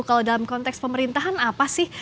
kalau dalam konteks pemerintahan apa sih